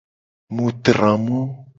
Mu tra mo.